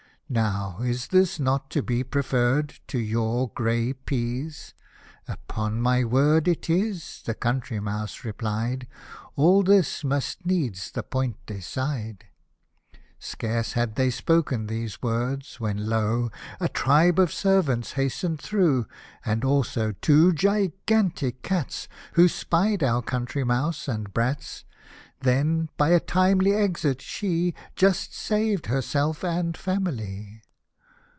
" Now is this not to be preferr'd To your grey peas ?"" Upon my word It is," the country mouse replied ; fl All this must needs the point decide." 84 Scarce had they spoke these words, when, lo ! A tribe of servants hasten'd through, And also two gigantic cats, Who spied our country mouse and brats. Then, by a timely exit, she Just saved herself and family.